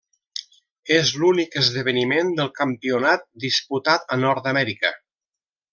És l'únic esdeveniment del campionat disputat a Nord-amèrica.